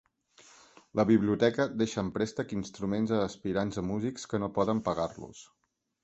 La biblioteca deixa en préstec instruments a aspirants a músics que no poden pagar-los.